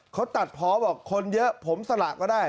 เขาตัดพอบอกคนเยอะผมสละก็ได้